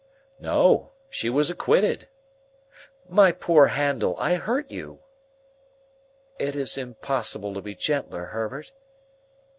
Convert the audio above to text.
"No; she was acquitted.—My poor Handel, I hurt you!" "It is impossible to be gentler, Herbert.